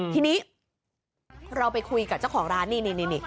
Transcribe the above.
ทีนี้เราไปคุยกับเจ้าของร้านนี่